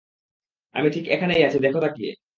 আমি ঠিক এখানেই আছি, দেখো তাকিয়ে।